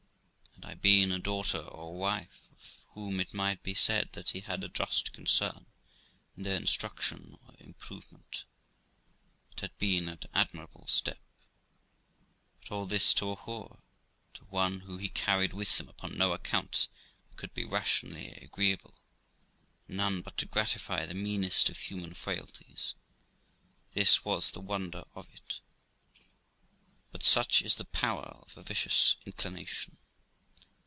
Had I been a daughter or a wife, of whom it might be said that he had a just concern in their instruction or improvement, it had been an admirable step; but all this to a whore; to one who he carried with him upon no account that could be rationally agreeable, and none but to gratify the meanest of human frailties this was the wonder of it. But such is the power of a vicious inclination.